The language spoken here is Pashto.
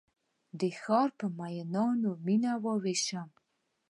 د ښارپر میینانو میینه ویشم